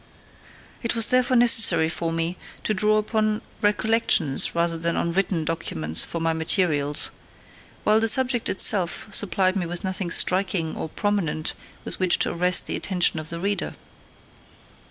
It was therefore necessary for me to draw upon recollections rather than on written documents for my materials; while the subject itself supplied me with nothing striking or prominent with which to arrest the attention of the reader.